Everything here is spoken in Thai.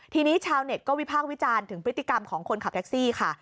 ทีนี้ชาวเน็ตก็วิพากษ์วิจารณ์ถึงพฤติกรรมของคนขับแท็กซี่ค่ะ